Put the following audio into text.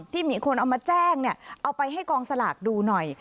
ที่มีคนเอามาแจ้งเอาไปให้กองสลากดูหน่อย